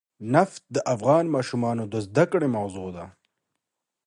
نفت د افغان ماشومانو د زده کړې موضوع ده.